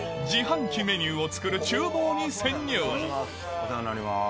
お世話になります